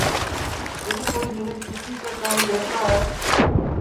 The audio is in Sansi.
جِدؔ کوئی مینکھ کسی سے کانئیں لَیوتا ہے